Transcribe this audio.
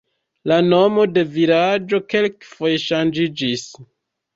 La nomo de vilaĝo kelkfoje ŝanĝiĝis.